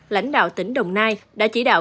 lãnh đạo tỉ đồng nai đã chỉ đạo